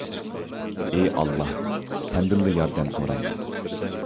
ئى ئاللاھ سەندىنلا ياردەم سورايمىز